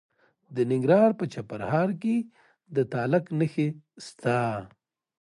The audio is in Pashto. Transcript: د ننګرهار په چپرهار کې د تالک نښې شته.